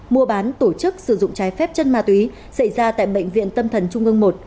mua bán tổ chức sử dụng trái phép chân ma túy xảy ra tại bệnh viện tâm thần trung ương một